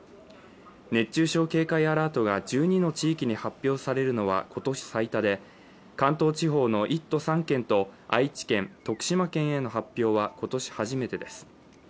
熱中症警戒アラートが１２の地域に発表されるのは今年最多で、関東地方の１都３県と愛知県、徳島県への発表は今年初めてです。